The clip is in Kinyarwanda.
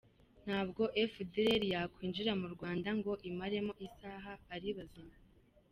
Ntabwo efudereri yakwinjira mu Rwanda ngo imaremo isaha ari bazima